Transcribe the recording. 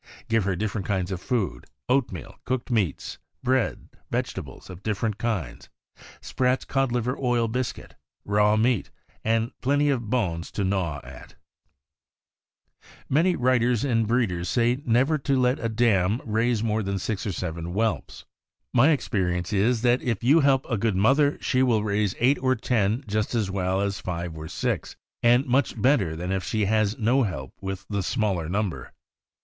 Give her different kinds of food — oatmeal, cooked meats, bread, vegetables of dif ferent kinds, Spratt's codliver oil biscuit, raw meat, and plenty of bones to griaw at. Many writers and breeders say never to let a dam raise THE SCOTCH DEERHOUND. 179 more than six or seven whelps. My experience is that if you help a good mother she will raise eight or ten just as well as five or six, and much better than if she has no help with the smaller number.